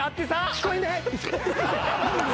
聞こえない。